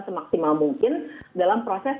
semaksimal mungkin dalam proses